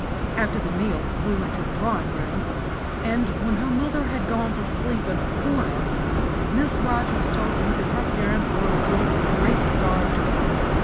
After the meal we went to the drawing room, and when her mother had gone to sleep in a corner, Miss Rogers told me that her parents were a source of great sorrow to her.